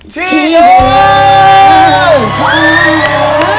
ที่เธอ